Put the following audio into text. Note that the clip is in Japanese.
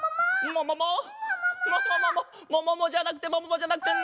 ももも！？もももも。もももじゃなくてもももじゃなくて。